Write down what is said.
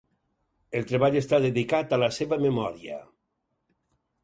El treball està dedicat a la seva memòria.